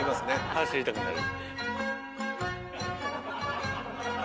走りたくなる。